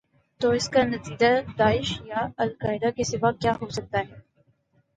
تواس کا نتیجہ داعش یا القاعدہ کے سوا کیا ہو سکتا ہے؟